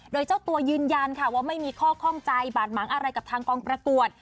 โดยเจ้าตัวยืนยันค่ะว่าไม่มีข้อข้องใจบาดหมางอะไรกับทางกองประกวด